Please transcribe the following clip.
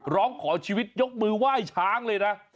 ร้องขอชีวิตยกมือไหว้ช้างเลยนะ